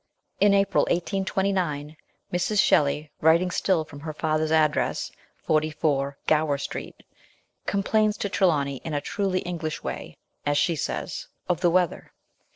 In April 1829, Mrs. Shelley, writing still from her father's address, 44, Gower Street, complains to Trelawny in a truly English way, as she says, of the weather.